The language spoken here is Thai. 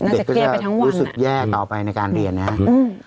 เด็กก็จะรู้สึกแย่ต่อไปในการเรียนนะครับ